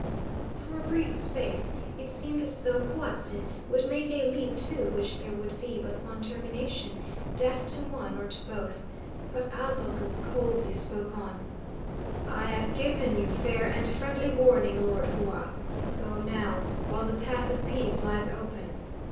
For a brief space it seemed as though Huatzin would make a leap to which there could be but one termination, death to one or to both. But Aztotl coldly spoke on: "I have given you fair and friendly warning, Lord Hua. Go, now, while the path of peace lies open.